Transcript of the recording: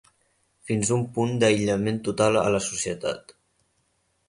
Fins un punt d'aïllament total a la societat.